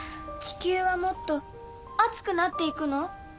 地球はもっと熱くなっていくの？